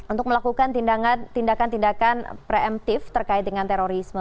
untuk melakukan tindakan tindakan preemptif terkait dengan terorisme